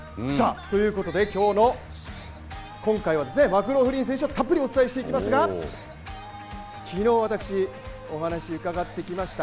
ということで今回はマクローフリン選手をたっぷりお伝えしていきますが昨日私、お話伺ってきました。